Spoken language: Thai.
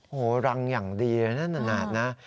โอ้โหรังอย่างดีเลยนะนานนะ